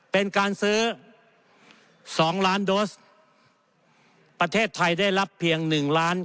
เป็นการซื้อ๒ล้านโดสประเทศไทยได้รับเพียง๑ล้าน